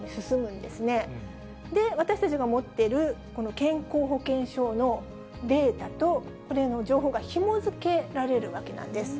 で、私たちが持っているこの健康保険証のデータと、これの情報がひも付けられるわけなんです。